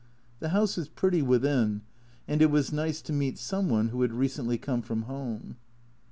The house is pretty within, and it was nice to meet some one who had recently come from home.